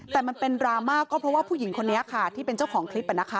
แต่มันเป็นดราม่าก็เพราะว่าผู้หญิงคนนี้ค่ะที่เป็นเจ้าของคลิปนะคะ